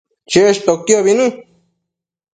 cheshtoquiobi në